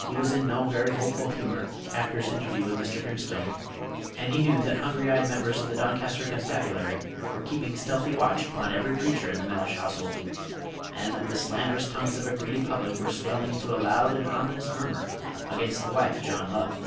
He was in no very hopeful humor, after his interview with Mr. Grimstone, and he knew that hungry eyed members of the Doncaster constabulary were keeping stealthy watch upon every creature in the Mellish household, and that the slanderous tongues of a greedy public were swelling into a loud and ominous murmur against the wife John loved.